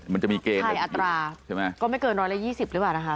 มันจะมีเกณฑ์อัตราก็ไม่เกิน๑๒๐บาทดีกว่านะคะ